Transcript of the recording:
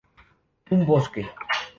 Un bosque.